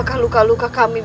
v czyli guruku sendiri